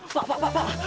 pak pak pak pak pak